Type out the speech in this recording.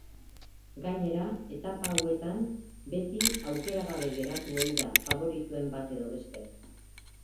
Gainera etapa hauetan beti aukera gabe geratu ohi da faboritoen bat edo beste.